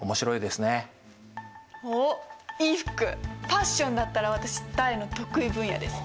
ファッションだったら私大の得意分野です。